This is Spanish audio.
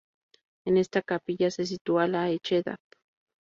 En esta capilla se sitúa la Hdad.